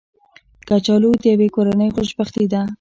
کچالو د یوې کورنۍ خوشبختي ده